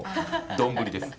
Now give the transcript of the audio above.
丼ですか。